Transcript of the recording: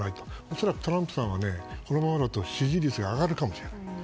恐らくトランプさんはこのままだと支持率が上がるかも。